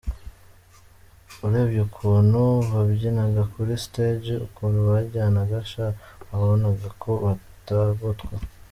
Urebye ukuntu babyinaga kuri stage, ukuntu bajyanaga… sha wabonaga ko batagotwa.